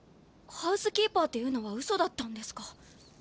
ハウスキーパーっていうのはウソだったんですか。